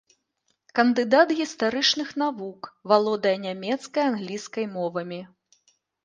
Кандыдат гістарычных навук, валодае нямецкай і англійскай мовамі.